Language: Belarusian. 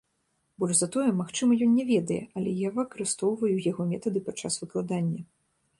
Больш за тое, магчыма, ён не ведае, але я выкарыстоўваю яго метады падчас выкладання.